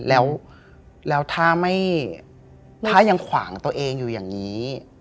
แล้วถ้ายังขวางตัวเองอยู่อย่างนี้